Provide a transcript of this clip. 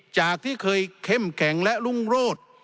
จากที่เคยเข้มแข็งและรุ่งโรธ